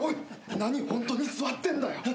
何ホントに座ってんだよ！？